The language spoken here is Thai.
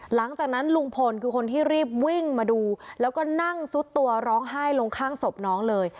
หลังจากนั้นลุงพลคือคนที่รีบวิ่งมาดูแล้วก็นั่งซุดตัวร้องไห้ลงข้างศพน้องเลย